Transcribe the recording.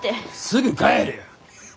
すぐ帰るよ。